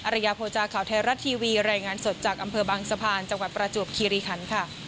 ระยะโภจาข่าวไทยรัฐทีวีรายงานสดจากอำเภอบางสะพานจังหวัดประจวบคีรีคันค่ะ